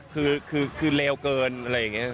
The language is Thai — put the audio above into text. คือเลวเกินอะไรอย่างนี้